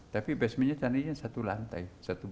tapi basementnya candinya satu lantai